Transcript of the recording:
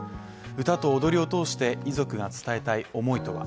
歌と踊りを通して遺族が伝えたい思いとは？